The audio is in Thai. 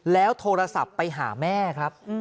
แล้วโทรศัพท์ไปหาแม่ครับ